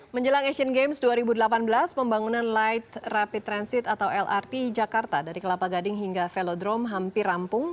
menjelang asian games dua ribu delapan belas pembangunan light rapid transit atau lrt jakarta dari kelapa gading hingga velodrome hampir rampung